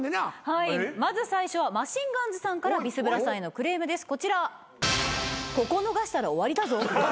はいまず最初はマシンガンズさんからビスブラさんへのクレームですこちら。